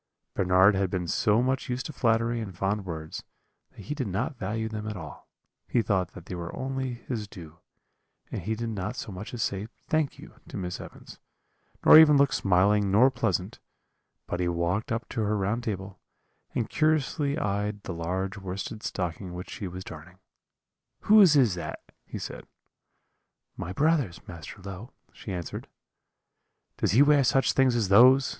"Bernard had been so much used to flattery and fond words, that he did not value them at all; he thought that they were only his due; and he did not so much as say 'Thank you' to Miss Evans, nor even look smiling nor pleasant; but he walked up to her round table, and curiously eyed the large worsted stocking which she was darning 'Whose is that?' he said. "'My brother's, Master Low,' she answered. "'Does he wear such things as those?'